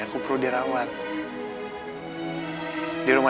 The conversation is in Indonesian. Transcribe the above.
aku tuh biar nunggu aja